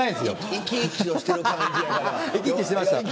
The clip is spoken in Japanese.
生き生きとしてる感じやから。